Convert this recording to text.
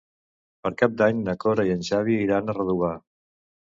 Per Cap d'Any na Cora i en Xavi iran a Redovà.